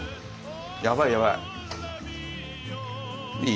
やばいやばい。